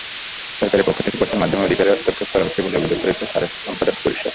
সরকারের পক্ষ থেকে প্রচারমাধ্যমের অধিকারে হস্তক্ষেপ করা হচ্ছে বলে অভিযোগ করেছে সম্পাদক পরিষদ।